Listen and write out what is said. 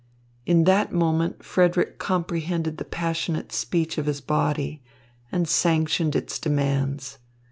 In that moment Frederick comprehended the passionate speech of his body, and sanctioned its demands.